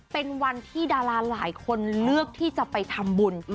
เป็นวันที่ดาราหลายคนเลือกที่จะไปทำบุญ